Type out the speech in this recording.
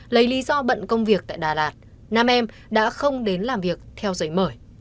lý do bận công việc tại đà lạt nam em đã không đến làm việc theo giấy mở